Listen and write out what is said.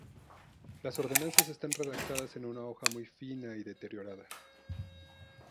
Las ordenanzas están redactadas en una hoja muy fina y deteriorada.